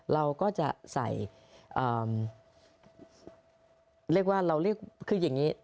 เราก็จะใส่เรียกว่าเราเรียกคืออย่างนี้